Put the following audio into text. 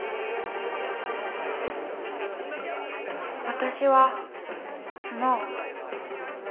私はスノウ。